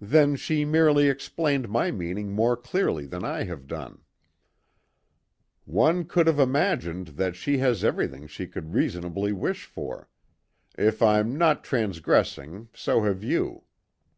"Then she merely explained my meaning more clearly than I have done." "One could have imagined that she has everything she could reasonably wish for. If I'm not transgressing, so have you.